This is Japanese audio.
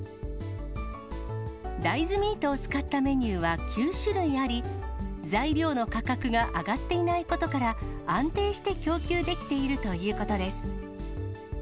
大豆ミートを使ったメニューは９種類あり、材料の価格が上がっていないことから、安定して供給できているということです。